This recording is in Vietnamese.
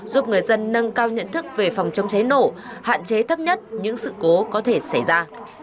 giúp người dân nâng cao nhận thức về phòng chống cháy nổ hạn chế thấp nhất những sự cố có thể xảy ra